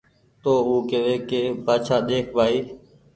تو او ڪيوي ڪي بآڇآ ۮيک ڀآئي